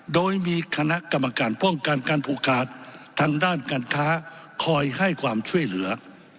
โดยมีคณะกรรมการป้องกันการผูกขาดทางด้านการค้าคอยให้ความช่วยเหลือ